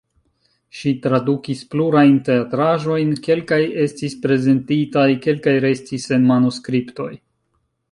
Ŝi tradukis plurajn teatraĵojn, kelkaj estis prezentitaj, kelkaj restis en manuskriptoj.